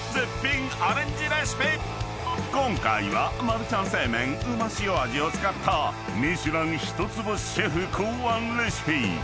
［今回はマルちゃん正麺旨塩味を使ったミシュラン一つ星シェフ考案レシピ］